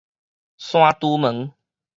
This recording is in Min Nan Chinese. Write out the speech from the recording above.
山豬毛